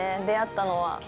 出会ったのは。